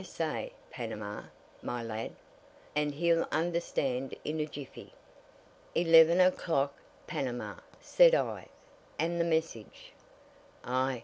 say 'Panama,' my lad, and he'll understand in a jiffy!" "Eleven o'clock Panama," said I. "And the message?" "Aye!"